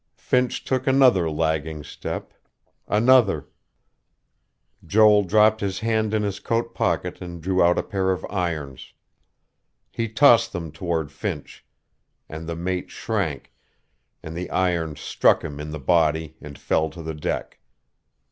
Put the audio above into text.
Finch took another lagging step, another.... Joel dropped his hand in his coat pocket and drew out a pair of irons. He tossed them toward Finch; and the mate shrank, and the irons struck him in the body and fell to the deck.